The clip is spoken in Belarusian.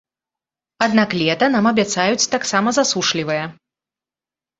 Аднак лета нам абяцаюць таксама засушлівае.